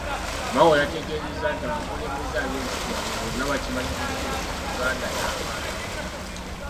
Mao yategeezezza nti abakulembeze ab’ensikirano bonna bakimanyi bulungi nti Buganda ya maanyi.